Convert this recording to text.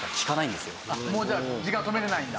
じゃあ時間止められないんだ？